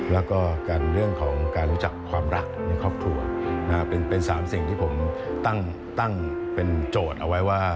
แล้วก็กันเรื่องของการรู้จักความรักในครอบครัวเป็น๓สิ่งที่ผมตั้งเป็นโจทย์เอาไว้ว่า